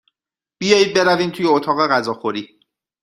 بیایید برویم توی اتاق غذاخوری.